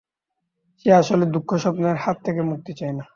সে আসলে দুঃস্বপ্নের হাত থেকে মুক্তি চায় না।